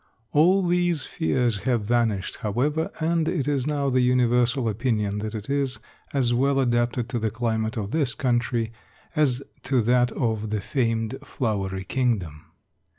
All these fears have vanished, however, and it is now the universal opinion that it is as well adapted to the climate of this country as to that of the famed Flowery Kingdom.